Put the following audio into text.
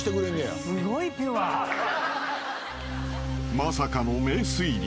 ［まさかの名推理。